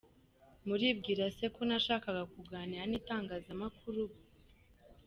Muribwira se ko nashakaga kuganira n’itangazamakuru ubu.